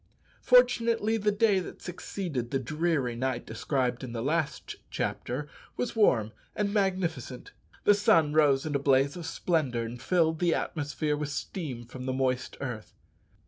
Fortunately the day that succeeded the dreary night described in the last chapter was warm and magnificent. The sun rose in a blaze of splendour, and filled the atmosphere with steam from the moist earth.